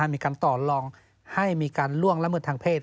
มีการต่อลองให้มีการล่วงละเมิดทางเพศ